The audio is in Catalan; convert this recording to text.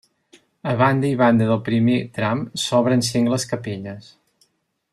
A banda i banda del primer tram s'obren sengles capelles.